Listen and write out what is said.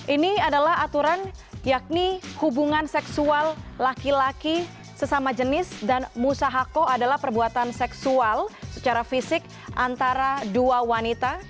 ini adalah aturan yakni hubungan seksual laki laki sesama jenis dan musahako adalah perbuatan seksual secara fisik antara dua wanita